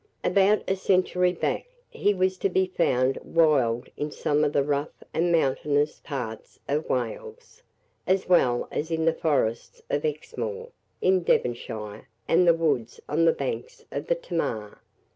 About a century back he was to be found wild in some of the rough and mountainous parts of Wales, as well as in the forests of Exmoor, in Devonshire, and the woods on the banks of the Tamar.